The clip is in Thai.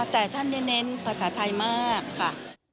แต่ท่านเน้นภาษาไทยมากค่ะ